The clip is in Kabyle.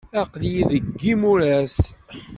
Aql-iyi deg yimuras.